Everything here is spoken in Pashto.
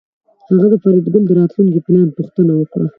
هغه د فریدګل د راتلونکي پلان پوښتنه وکړه